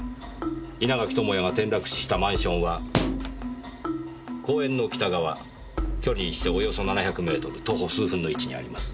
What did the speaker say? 稲垣智也が転落死したマンションは公園の北側距離にしておよそ７００メートル徒歩数分の位置にあります。